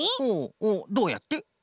ほうどうやって？